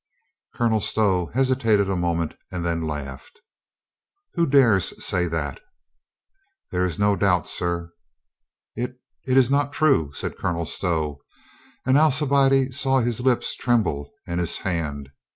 Colonel Stow hesitated a moment and then laughed. "Who dares say that?" "There is no doubt, sir." 266 COLONEL GREATHEART "It — It is not true," said Colonel Stow, and Alci biade saw his lips tremble and his hand.